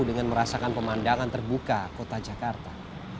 dengan merasakan pemandangan terbuka kota jakarta